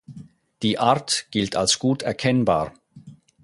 Die Art gilt als gut erkennbar.